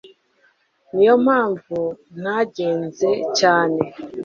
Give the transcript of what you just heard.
Niyo mpamvu ntagenze cyane